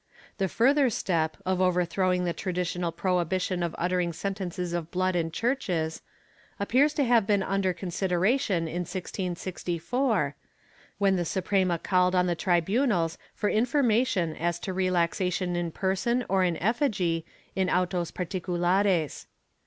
The further step, of overthrowing the traditional prohibition of utter ing sentences of blood in churches, appears to have been under consideration in 1664, when the Suprema called on the tribunals for information as to relaxations in person or in effigy in autos par ticulares.